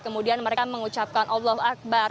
kemudian mereka mengucapkan allah akbar